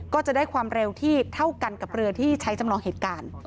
ก็จะได้ความเร็วที่เท่ากันกับเรือที่ใช้จำลองเหตุการณ์